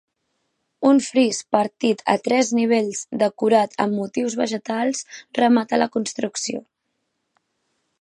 Un fris partit a tres nivells decorat amb motius vegetals remata la construcció.